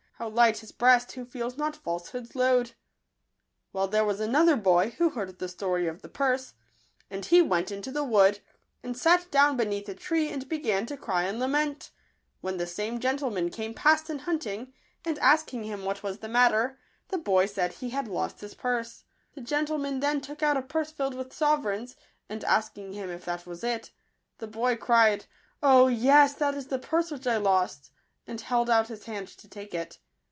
How light his breast who feels not falsehood's load ! Digitized by Google i«*»hV 'r~'' 'iV W "r >ati. v '■ wi » as* i aryv v Well, there was another boy, who heard the story of the purse ; and he went into the wood, and sat down beneath a tree, and began to cry and lament ; when the same gentleman came past in hunting, and asking him what was the matter, the boy said he had lost his purse. The gentleman then took out a purse filled with sovereigns ; and asking him if that was it, the boy cried, " Oh, yes, that is the purse which I lost," and held out his hand to take it.